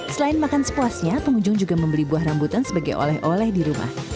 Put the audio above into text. selain makan sepuasnya pengunjung juga membeli buah rambutan sebagai oleh oleh di rumah